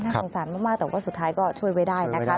สงสารมากแต่ว่าสุดท้ายก็ช่วยไว้ได้นะคะ